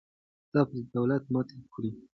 دا پردی دولت ماتې خوري.